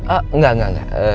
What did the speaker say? oh enggak enggak enggak